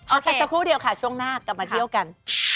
เอากันสักครู่เดียวค่ะช่วงหน้ากลับมาเที่ยวกัน